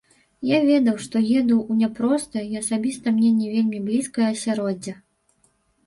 Я ведаў, што еду ў няпростае і асабіста мне не вельмі блізкае асяроддзе.